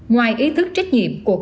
ngoài ý thức trách nhiệm của các công ty